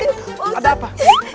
positi ada apa